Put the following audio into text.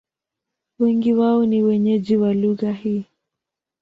Wengi wao ni wenyeji wa lugha hii.